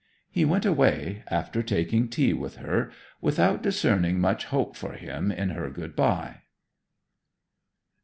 He went away, after taking tea with her, without discerning much hope for him in her good bye.